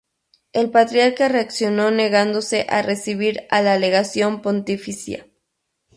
El Patriarca reaccionó negándose a recibir a la legación pontificia.